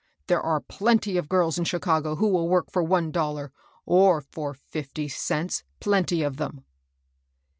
" There are plenty of girb in Chicago who will work for one dollar, or for fifty cents, — plenty of them."